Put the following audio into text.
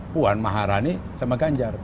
puan maharani sama ganjar